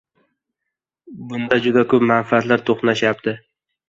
Bunda juda ko‘p manfaatlar to‘qnashyapti.